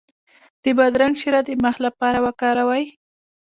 د بادرنګ شیره د مخ لپاره وکاروئ